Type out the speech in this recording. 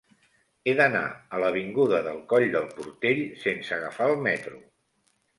He d'anar a l'avinguda del Coll del Portell sense agafar el metro.